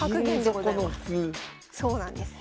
そうなんです。